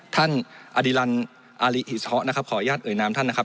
ท่านอดิรันดิ์อาริหิศฮะขออนุญาตเอ่ยน้ำท่านนะครับ